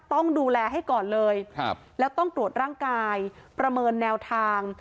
ต้องดูแลให้ก่อนเลยแล้วต้องตรวจร่างกายประเมินแนวทาง